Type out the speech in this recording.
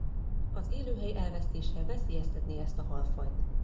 Az élőhely elvesztése veszélyeztetné ezt a halfajt.